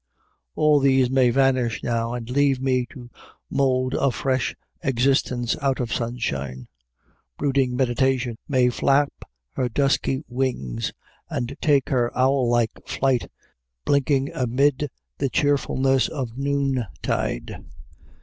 All these may vanish now, and leave me to mold a fresh existence out of sunshine. Brooding Meditation may flap her dusky wings and take her owl like flight, blinking amid the cheerfulness of noontide.